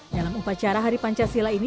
dalam upacara hari pancasila ini